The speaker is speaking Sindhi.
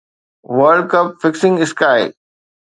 world cup fixing sky